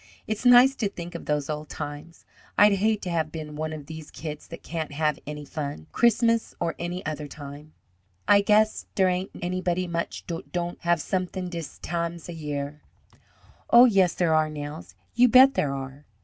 "It's nice to think of those old times. I'd hate to have been one of these kids that can't have any fun. Christmas or any other time." "Ay gass dere ain't anybody much dot don'd have someding dis tams a year." "Oh, yes, there are, Nels! You bet there are!"